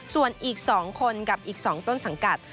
ส่วนอีก๒คนกับอีก๒ต้นสังกัด